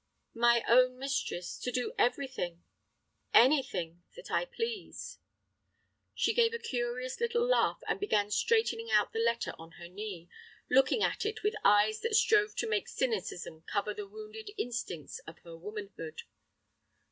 "My own mistress to do everything—anything that I please." She gave a curious little laugh, and began straightening out the letter on her knee, looking at it with eyes that strove to make cynicism cover the wounded instincts of her womanhood.